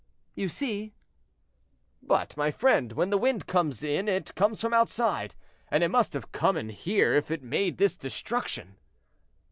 "You see." "But, my friend, when the wind comes in it comes from outside, and it must have come in here if it made this destruction."